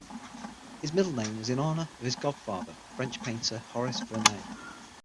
His middle name was in honour of his godfather, French painter Horace Vernet.